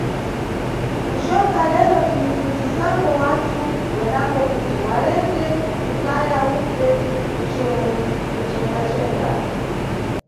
Kucoka lero tinipfunzisambo wanthu wenango kuti waleke kutaya ubve kunchengaxenga.